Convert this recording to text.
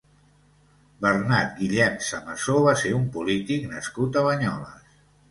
Bernat Guillem Samasó va ser un polític nascut a Banyoles.